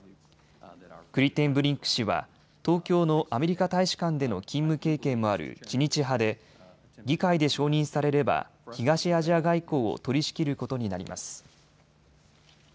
クリテンブリンク氏は東京のアメリカ大使館での勤務経験もある知日派で議会で承認されれば東アジア外交を取りしきることになります。